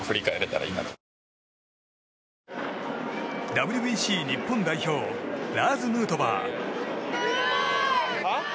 ＷＢＣ日本代表ラーズ・ヌートバー。